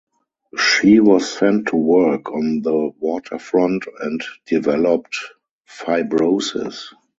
She was sent to work on the waterfront and developed fibrosis.